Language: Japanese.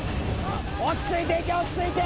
落ち着いていけ落ち着いて！